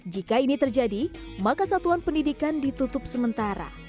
jika ini terjadi maka satuan pendidikan ditutup sementara